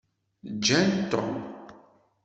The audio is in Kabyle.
Ǧǧan Tom.